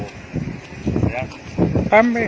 ถ้าไม่ได้ขออนุญาตมันคือจะมีโทษ